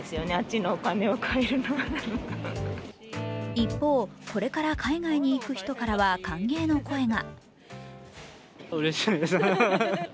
一方、これから海外へ行く人からは歓迎の声が。